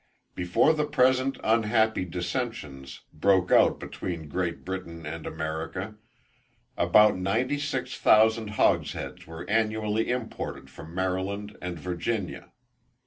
Before the present unhappy dissentions broke out between Great Britain and America, about ninety six thousand hogsheads were annually imported from Maryland and Virginia.